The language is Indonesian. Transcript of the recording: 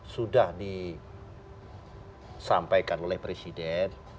sudah disampaikan oleh presiden